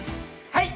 はい！